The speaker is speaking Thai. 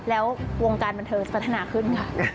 แล้ววงการบันเทิงพัฒนาขึ้นค่ะ